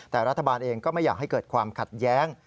แต่รัฐบาลเองก็ไม่อยากให้เกิดความขัดแย้ง